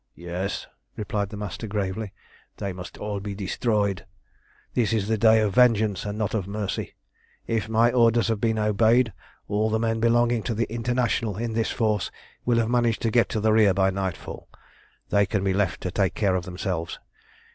"Yes," replied the Master gravely. "They must all be destroyed. This is the day of vengeance and not of mercy. If my orders have been obeyed, all the men belonging to the International in this force will have managed to get to the rear by nightfall. They can be left to take care of themselves.